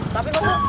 tapi mas pur